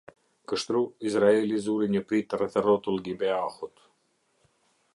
Kështu Izraeli zuri një pritë rreth e rrotull Gibeahut.